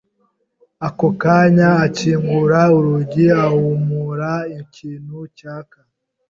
Ako kanya akingura urugi, ahumura ikintu cyaka.